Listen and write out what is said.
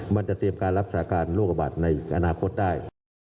มันจะเตรียมการรักษาการโรคระบาดในอนาคตได้